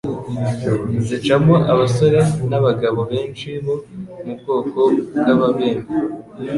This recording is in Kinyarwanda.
zicamo abasore n'abagabo benshi bo mu bwoko bw'Ababembe.